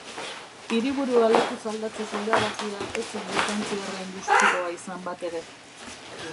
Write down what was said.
Hiriburua lekuz aldatzeko erabakia ez zen bizantziarren gustukoa izan batere.